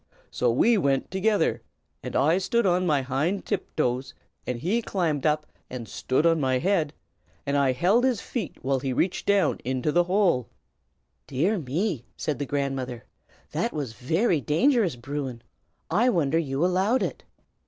So we went together, and I stood on my hind tip toes, and then he climbed up and stood on my head, and I held his feet while he reached down into the hole." "Dear me!" said the grandmother, "that was very dangerous, Bruin. I wonder you allowed it."